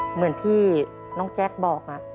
เหมือนที่น้องแจ๊คบอก